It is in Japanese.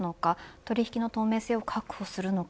取引の透明性を確保するのか。